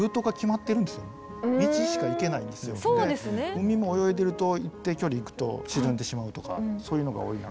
海も泳いでると一定距離行くと沈んでしまうとかそういうのが多い中